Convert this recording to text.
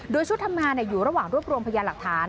โดยชุดทำงานอยู่ระหว่างรวบรวมพยานหลักฐาน